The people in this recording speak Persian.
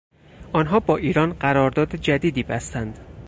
آنها با ایران قرارداد جدیدی بستند.